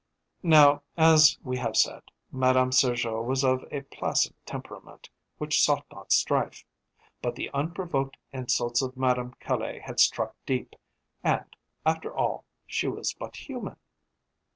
Now, as we have said, Madame Sergeot was of a placid temperament which sought not strife. But the unprovoked insults of Madame Caille had struck deep, and, after all, she was but human.